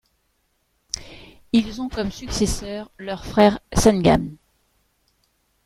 Ils ont comme successeur leur frère Sengann.